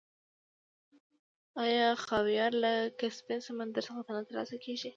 آیا خاویار له کسپین سمندر څخه نه ترلاسه کیږي؟